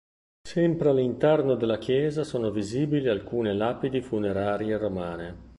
Sempre all'interno della chiesa sono visibili alcune lapidi funerarie romane.